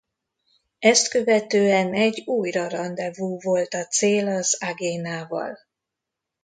Ezt követően egy újra randevú volt a cél az Agenával.